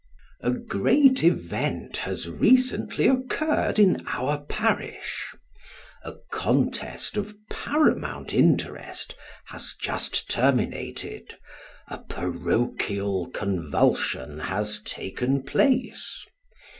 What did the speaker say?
A GREAT event has recently occurred in our parish. A contest of paramount interest has just terminated ; a parochial convulsion has taken place.